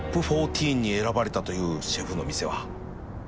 ＴＯＰ４０ に選ばれたというシェフの店は